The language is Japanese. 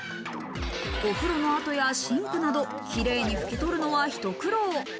お風呂の後や、シンクなど綺麗に拭き取るのは、ひと苦労。